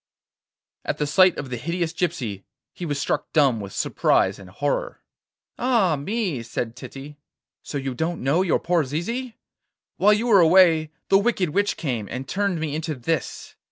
At the sight of the hideous gypsy he was struck dumb with surprise and horror. 'Ah me!' said Titty, 'so you don't know your poor Zizi? While you were away the wicked witch came, and turned me into this.